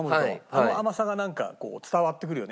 あの甘さがなんか伝わってくるよね映像。